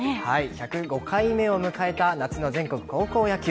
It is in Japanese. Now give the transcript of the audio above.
１０５回目を迎えた夏の全国高校野球。